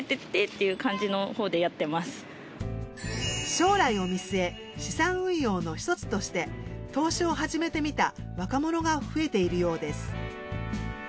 将来を見据え資産運用の一つとして投資を始めてみた若者が増えているようです。